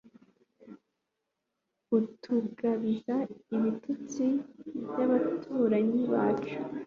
utugabiza ibitutsi by'abaturanyi bacu